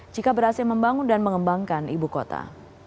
jika berhasil membangun dan mengembangkan ibu kota